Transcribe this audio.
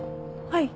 はい。